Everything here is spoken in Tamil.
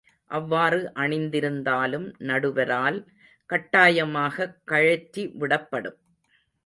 அவ்வாறு அணிந்திருந்தாலும், நடுவரால் கட்டாயமாகக் கழற்றி விடப்படும்.